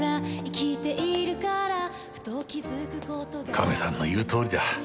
カメさんの言うとおりだ